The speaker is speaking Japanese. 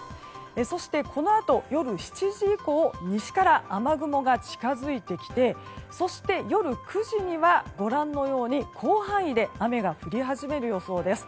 そしてこのあと、夜７時以降西から雨雲が近づいてきてそして、夜９時にはご覧のように広範囲で雨が降り始める予想です。